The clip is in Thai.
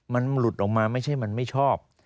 มันหลุดออกมาไม่ใช่มันไม่ชอบ